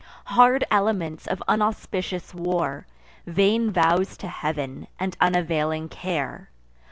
Hard elements of unauspicious war, Vain vows to Heav'n, and unavailing care!